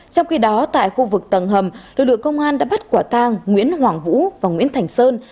trong khi đó tại khu vực tầng hầm lực lượng công an đã bắt quả tang nguyễn hoàng vũ và nguyễn thành sơn